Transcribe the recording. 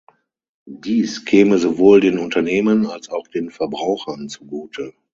Dies käme sowohl den Unternehmen als auch den Verbrauchern zugute.